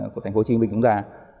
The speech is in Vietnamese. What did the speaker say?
của thành phố hồ chí minh chúng ta